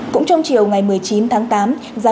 cũng trong chiều ngày một mươi chín tháng tám